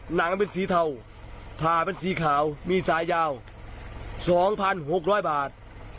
หนังเป็นสีเทาผ่าเป็นสีขาวมีสายยาว๒๖๐๐บาท